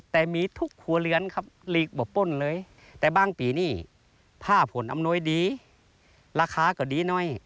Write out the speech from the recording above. แต่บ้างปีนี้ผ้าผลอำนวยดีราคาก็ดีหน่อย